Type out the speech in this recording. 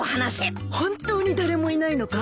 本当に誰もいないのか？